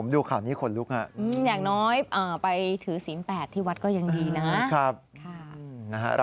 ใช่ครับอยากน้อยไปถือศิลป์แปดที่วัตรก็ยังดีนะครับโอ้โหผมดูข่านี้ขนลุก